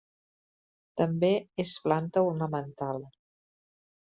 També és planta ornamental.